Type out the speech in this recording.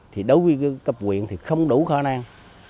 thì đối với cấp quyền thì không đủ khả năng